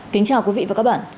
kính chào quý vị và các bạn